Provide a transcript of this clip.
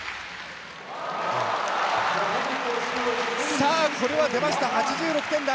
さあこれは出ました８６点台！